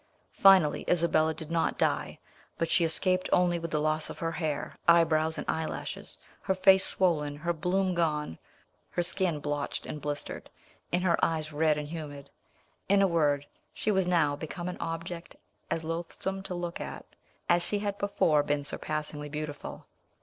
Finally, Isabella did not die; but she escaped only with the loss of her hair, eyebrows, and eyelashes, her face swollen, her bloom gone, her skin blotched and blistered, and her eyes red and humid. In a word, she was now become an object as loathsome to look at as she had before been surpassingly beautiful.